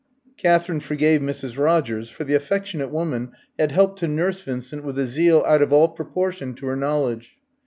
Katherine forgave Mrs. Rogers, for the affectionate woman had helped to nurse Vincent with a zeal out of all proportion to her knowledge.